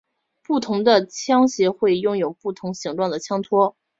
不同的枪械会拥有不同形状的枪托。